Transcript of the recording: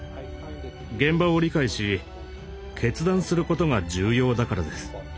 現場を理解し決断することが重要だからです。